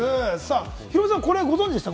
ヒロミさん、これご存知でした？